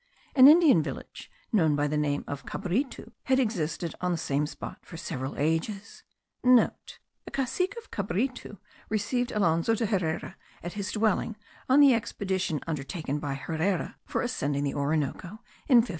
An Indian village, known by the name of Cabritu,* had existed on the same spot for several ages. (* A cacique of Cabritu received Alonzo de Herrera at his dwelling, on the expedition undertaken by Herrera for ascending the Orinoco in 1535.)